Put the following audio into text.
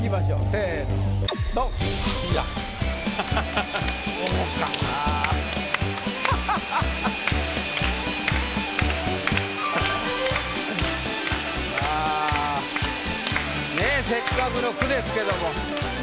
せっかくの句ですけども。